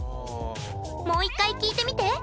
もう１回聞いてみて！